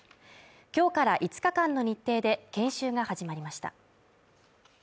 今日から５日間の日程で研修が始まりました。